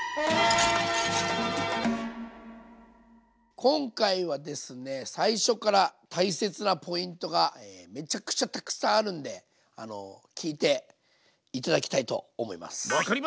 今回はですね最初から大切なポイントがめちゃくちゃたくさんあるんで聞いて頂きたいと思います。